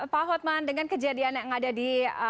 pak hotman dengan kejadian yang ada di